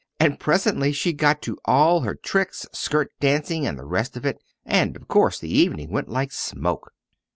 And presently she got to all her tricks, skirt dancing and the rest of it and of course the evening went like smoke."